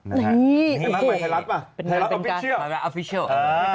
ไลน์ไลน์ไลน์ไลน์มายไทรัส